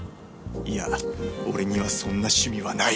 いや俺にはそんな趣味はない！